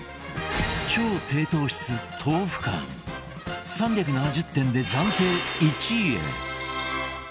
超低糖質豆腐干３７０点で暫定１位へ